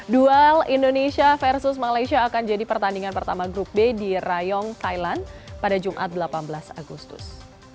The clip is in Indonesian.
duel indonesia versus malaysia akan jadi pertandingan pertama grup b di rayong thailand pada jumat delapan belas agustus